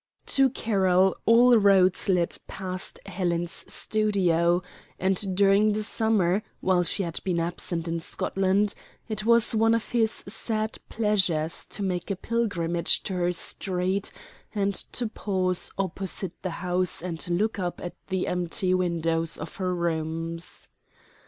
To Carroll all roads led past Helen's studio, and during the summer, while she had been absent in Scotland it was one of his sad pleasures to make a pilgrimage to her street and to pause opposite the house and look up at the empty windows of her rooms.